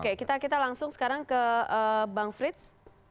oke kita langsung sekarang ke bang frits